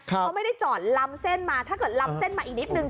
เขาไม่ได้จอดลำเส้นมาถ้าเกิดลำเส้นมาอีกนิดนึง